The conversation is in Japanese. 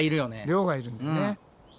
量がいるんだよね。